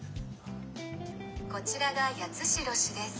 「こちらが八代市です」。